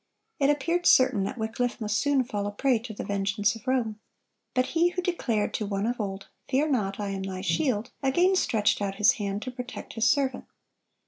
It appeared certain that Wycliffe must soon fall a prey to the vengeance of Rome. But He who declared to one of old, "Fear not: I am thy shield,"(116) again stretched out His hand to protect His servant.